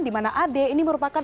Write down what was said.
di mana ad ini merupakan